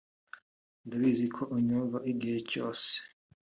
ndabizi ko unyumva igihe cyose